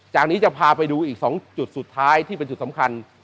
จากนี้จะพาไปดูอีก๒จุดสุดท้ายที่เป็นจุดสำคัญ